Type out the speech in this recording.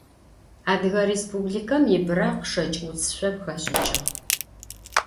Adıge Rêspublikem yi bırakh şşeç' vutsışsom xeş'ıç'ığ.